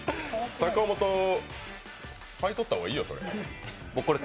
買い取った方がいいよ。